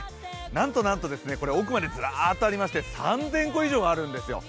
なんとなんと、奥までずらっとありまして、３０００個以上あるんですよ